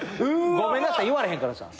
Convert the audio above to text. ごめんなさい言われへんからさ。